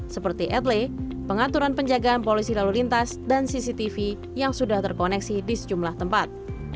seperti etle pengaturan penjagaan polisi lalu lintas dan cctv yang sudah terkoneksi di sejumlah tempat